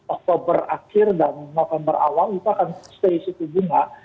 tiga puluh oktober akhir dan november awal itu akan stay suku jumlah